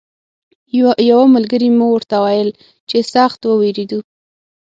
یوه ملګري مو ورته ویل چې سخت ووېرېدو.